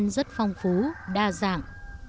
hoa văn rất phong phú đa dạng